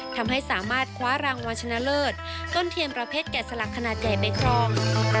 ทำให้สามารถคว้ารางวัลชนะเลิศต้นเทียนประเภทแกะสลักขนาดใหญ่ไปครอง